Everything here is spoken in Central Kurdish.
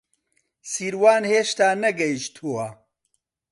سیروان هێشتا نەگەیشتووە.